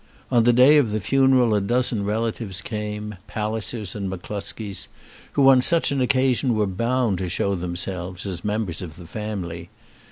On the day of the funeral a dozen relatives came, Pallisers and M'Closkies, who on such an occasion were bound to show themselves, as members of the family.